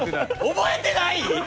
覚えてない！？